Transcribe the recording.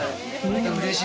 うれしい。